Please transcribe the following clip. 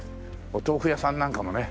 お豆腐屋さんなんかもね